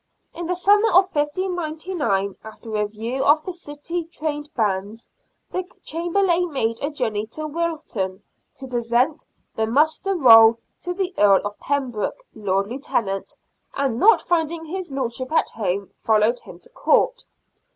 In the summer of 1599, after a review of the city trained bands, the Chamberlain made a journey to Wilton to present the Muster Roll to the Earl of Pembroke, Lord Lieutenant, and not finding his lordship at home, followed him to Court.